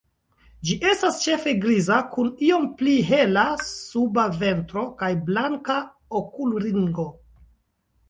Ĝi estas ĉefe griza, kun iom pli hela suba ventro kaj blanka okulringo.